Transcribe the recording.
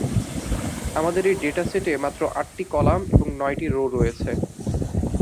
আমাদের এই ডেটা সেটে মাত্র আটটি কলাম এবং নয়টি রো রয়েছে।